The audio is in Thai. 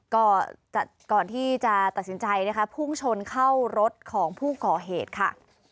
ก็ก่อนที่จะตัดสินใจนะคะพุ่งชนเข้ารถของผู้ก่อเหตุค่ะ